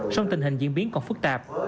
sông tình hình diễn biến còn phức tạp